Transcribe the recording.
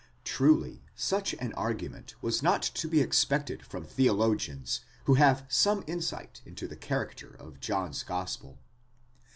'Truly, such an argument was not to be expected from theologians who have some insight into the character of John's gospel.